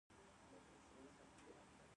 دوی د بدو قوانینو په معرض کې قرار لري.